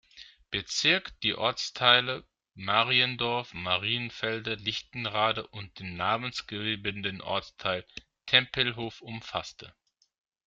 Bezirk die Ortsteile Mariendorf, Marienfelde, Lichtenrade und den namensgebenden Ortsteil Tempelhof umfasste.